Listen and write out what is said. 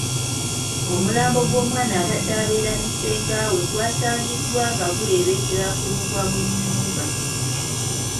Omulambo gw'omwana abadde abeera ne ssenga we gwasangiddwa nga guleebeetera ku mugwa mu nnyumba.